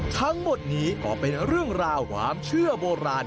ทั้งหมดนี้ก็เป็นเรื่องราวความเชื่อโบราณ